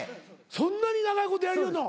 そんなに長いことやりよるの？